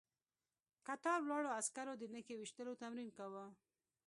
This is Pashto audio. کتار ولاړو عسکرو د نښې ويشتلو تمرين کاوه.